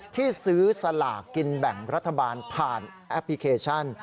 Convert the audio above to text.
ที่ซื้อสลากกินแบ่งรัฐบาลผ่านแอปพลิเคชัน